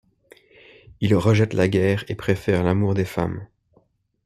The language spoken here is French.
Il rejette la guerre et préfère l'amour des femmes.